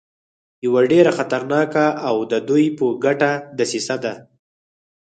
یوه ډېره خطرناکه او د دوی په ګټه دسیسه ده.